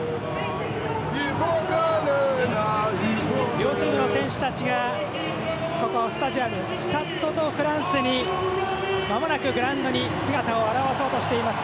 両チームの選手たちがここ、スタジアムスタッド・ド・フランスにまもなくグラウンドに姿を現そうとしています。